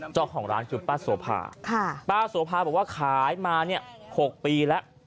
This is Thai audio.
เจ้าของร้านคือป้าโสภาป้าโสภาบอกว่าขายมาเนี่ย๖ปีแล้ว